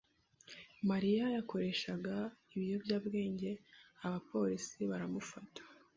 Mariya yakoreshaga ibiyobyabwenge, abapolisi baramufata.